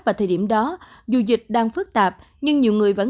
vào thời điểm đó dù dịch đang phức tạp nhưng nhiều người vẫn